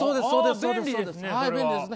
便利ですね。